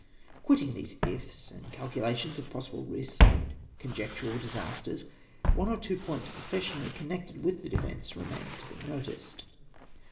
Quitting these " ifs,'' and calculations of possible risk and conjectural disasters, one or two points profession ally connected ^vith the defence remamed to be noticed.